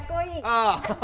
ああ！